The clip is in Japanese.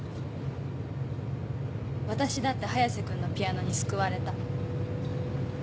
私だって早瀬君のピアノに救われた。